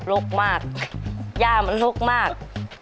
ลุกมากย่ามันลกมาก